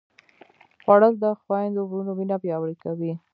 خوړل د خویندو وروڼو مینه پیاوړې کوي